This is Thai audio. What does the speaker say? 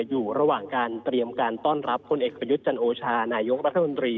อยู่ระหว่างการเตรียมการต้อนรับคนเอกประยุทธ์จันโอชานายกรัฐมนตรี